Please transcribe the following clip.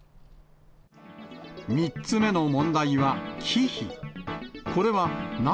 ３つ目の問題は忌避。